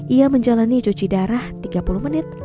ia menjalani cuci darah tiga puluh menit